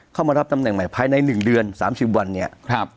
เข้ามารับตำแหน่งใหม่ภายใน๑เดือน๓๐วันเนี่ย